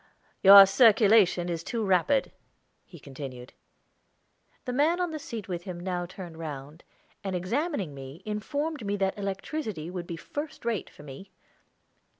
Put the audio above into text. "Your circulation is too rapid," he continued. The man on the seat with him now turned round, and, examining me, informed me that electricity would be first rate for me.